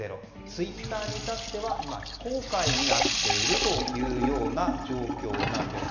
ツイッターに至っては今、非公開になっているような状況です。